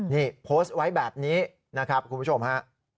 นี่โพสต์ไว้แบบนี้นะครับคุณผู้ชมฮะ